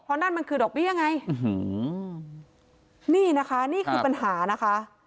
เพราะนั่นมันคือดอกเบี้ยไงนี่นะคะนี่คือปัญหานะคะ